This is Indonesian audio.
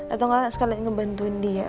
atau gak sekali ngebantuin dia